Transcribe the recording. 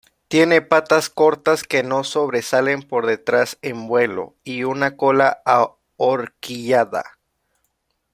Tiene patas cortas, que no sobresalen por detrás en vuelo, y una cola ahorquillada.